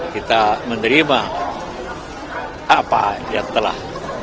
kita menerima apa yang telah